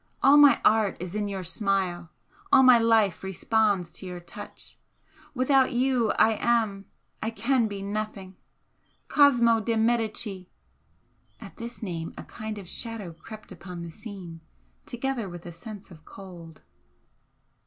All my art is in your smile all my life responds to your touch. Without you I am can be nothing Cosmo de Medicis " At this name a kind of shadow crept upon the scene, together with a sense of cold.